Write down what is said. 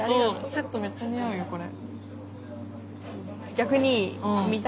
セットめっちゃ似合うよこれ。